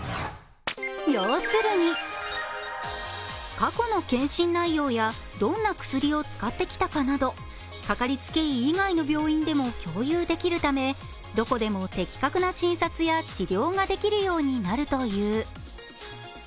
過去の健診内容やどんな薬を使ってきたかなど、かかりつけ医以外の病院でも共有できるためどこでも的確な診察や治療ができるようになるという。